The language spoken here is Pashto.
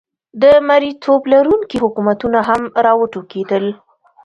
د مریتوب لرونکي حکومتونه هم را وټوکېدل.